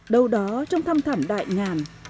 đầu đó trong thăm thảm đại ngàn